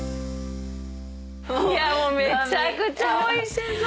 もうめちゃくちゃおいしそう！